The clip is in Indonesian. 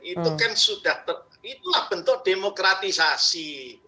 itulah bentuk demokratisasi